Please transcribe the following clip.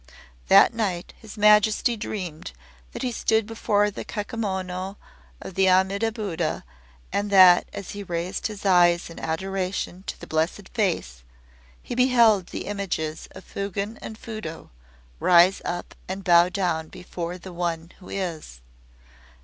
That night His Majesty dreamed that he stood before the kakemono of the Amida Buddha, and that as he raised his eyes in adoration to the Blessed Face, he beheld the images of Fugen and Fudo, rise up and bow down before that One Who Is.